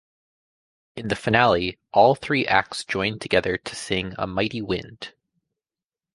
In the finale, all three acts join together to sing A Mighty Wind.